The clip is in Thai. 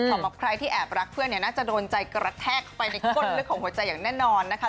สำหรับใครที่แอบรักเพื่อนเนี่ยน่าจะโดนใจกระแทกเข้าไปในก้นลึกของหัวใจอย่างแน่นอนนะคะ